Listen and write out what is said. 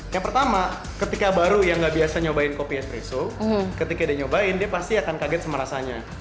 yang pertama ketika baru yang gak biasa nyobain kopi etreso ketika dia nyobain dia pasti akan kaget sama rasanya